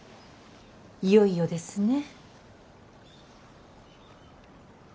いよいよですね。